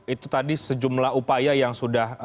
itu tadi sejumlah upaya yang sudah